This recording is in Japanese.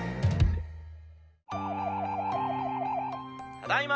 「ただいま」。